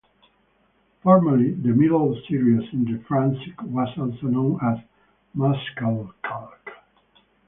Formerly the middle series in the Triassic was also known as Muschelkalk.